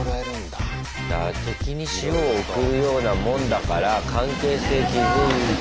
敵に塩を送るようなもんだから関係性築いて。